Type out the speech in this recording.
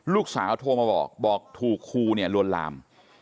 ลูกสาวเขาโทรมาบอกบอกถูกครูลวนลาม